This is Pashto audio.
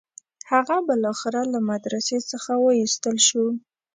هغه بالاخره له مدرسې څخه وایستل شو.